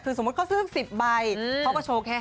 คือสมมุติเขาซื้อ๑๐ใบเขาก็โชว์แค่๕๐